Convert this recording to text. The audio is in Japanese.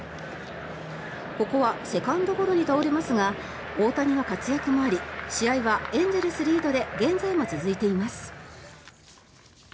ここはセカンドゴロに倒れますが大谷の活躍もあり試合はエンゼルスリードで現在も続いています。